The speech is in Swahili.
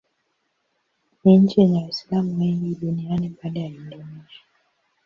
Ni nchi yenye Waislamu wengi duniani baada ya Indonesia.